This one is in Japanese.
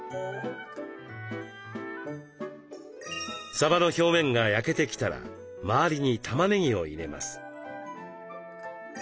さばの表面が焼けてきたら周りにたまねぎを入れます。